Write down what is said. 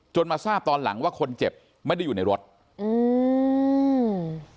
มาทราบตอนหลังว่าคนเจ็บไม่ได้อยู่ในรถอืม